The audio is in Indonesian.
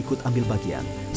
itu akan menanggung agama kita